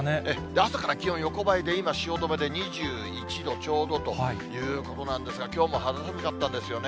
朝から気温、横ばいで、今、汐留で２１度ちょうどということなんですが、きょうも肌寒かったんですよね。